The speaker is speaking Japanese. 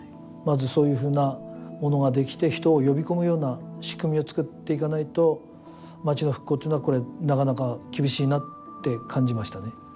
そういうふうなものができて人を呼び込むような仕組みを作っていかないと町の復興というのはなかなか厳しいなって感じましたね。